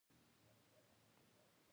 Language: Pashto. د ډوډۍ خوړلو نه مخکې لاسونه پرېمنځل ادب دی.